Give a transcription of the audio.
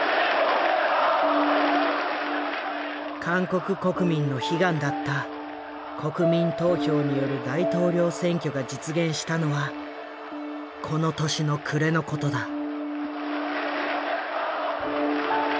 韓国国民の悲願だった国民投票による大統領選挙が実現したのはこの年の暮れのことだ。